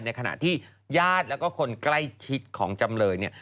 ในขณะที่ญาติและคนใกล้ชิดของจำเลย